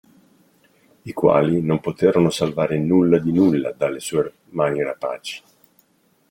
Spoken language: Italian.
I quali non poterono salvare nulla di nulla dalle sue mani rapaci.